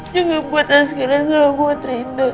juga buat asgira sama buat rindu